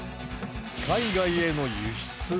海外への輸出。